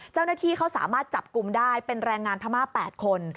เจ้าหน้าที่เขาสามารถจับกลุ่มได้เป็นแรงงานพม่า๘คน